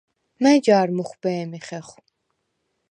მა̈ჲ ჯა̄რ მუხვბე̄მი ხეხვ?